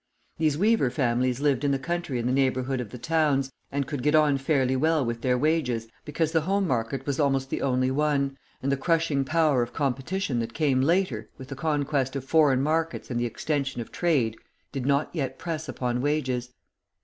These weaver families lived in the country in the neighbourhood of the towns, and could get on fairly well with their wages, because the home market was almost the only one, and the crushing power of competition that came later, with the conquest of foreign markets and the extension of trade, did not yet press upon wages.